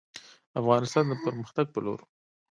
افغانستان د پرمختګ په لور دی